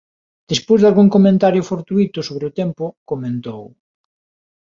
Despois dalgún comentario fortuíto sobre o tempo, comentou: